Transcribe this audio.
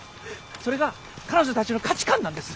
それが彼女たちの価値観なんです。